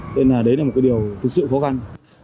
thế nên là đấy là một điều thực sự khó khăn